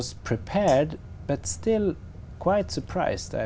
đã bị quá phản ứng